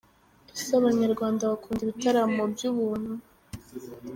Ese Abanyarwanda bakunda ibitaramo by’ubuntu?